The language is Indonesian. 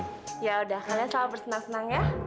yaudah kalian selalu bersenang senang ya